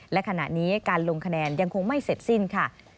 และขณะนี้การลงคะแนนยังคงไม่เสร็จสิ้นค่ะ